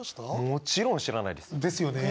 もちろん知らないです。ですよね。